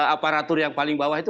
aparatur yang paling bawah itu